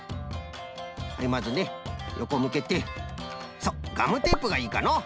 でまずねよこむけてそうガムテープがいいかのう。